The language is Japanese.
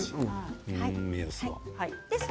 目安は？